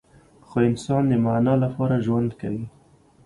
خو انسان د معنی لپاره ژوند کوي.